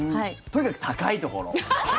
とにかく高いところ。